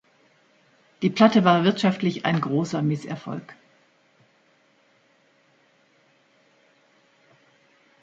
Die Platte war wirtschaftlich ein großer Misserfolg.